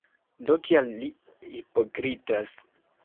Do, kial li hipokritas?